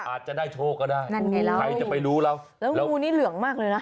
อาจจะได้โชคก็ได้นั่นไงล่ะใครจะไปรู้เราแล้วงูนี่เหลืองมากเลยนะ